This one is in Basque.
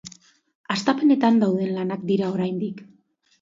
Hastapenetan dauden lanak dira oraindik.